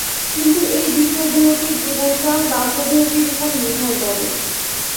কিন্তু এই দ্বিতীয় দেহটির জীবনকাল বাহ্যদেহটির উপর নির্ভর করে।